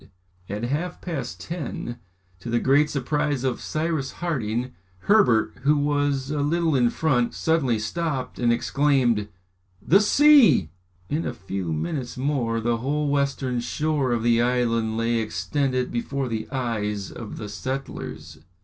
[Illustration: DENIZENS OF THE FOREST] At half past ten, to the great surprise of Cyrus Harding, Herbert, who was a little in front, suddenly stopped and exclaimed "The sea!" In a few minutes more, the whole western shore of the island lay extended before the eyes of the settlers.